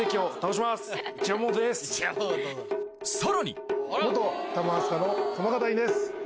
さらに！